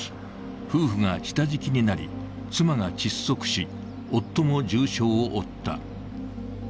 夫婦が下敷きになり、妻が窒息死、夫も重傷を負った。